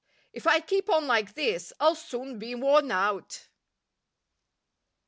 If I keep on like this I'll soon be worn out.